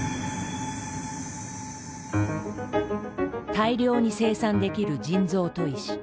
大量に生産できる「人造砥石」。